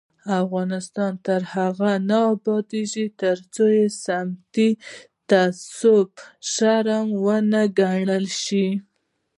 افغانستان تر هغو نه ابادیږي، ترڅو سمتي تعصب شرم ونه ګڼل شي.